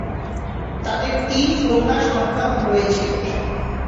তাদের তিন কন্যা সন্তান রয়েছে।